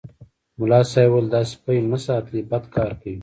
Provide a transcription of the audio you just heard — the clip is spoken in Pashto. ملا صاحب ویل دا سپي مه ساتئ بد کار کوي.